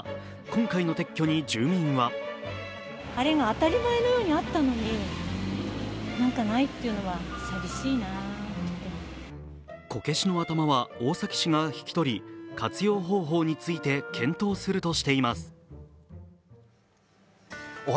今回の撤去に住民はこけしの頭は大崎市が引き取り活用方法について検討するとしています。